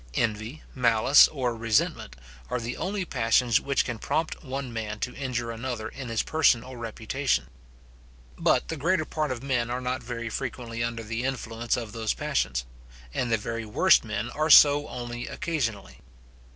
Envy, malice, or resentment, are the only passions which can prompt one man to injure another in his person or reputation. But the greater part of men are not very frequently under the influence of those passions; and the very worst men are so only occasionally.